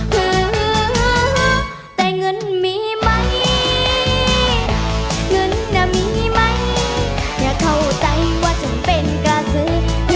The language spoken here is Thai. หึหึฮือ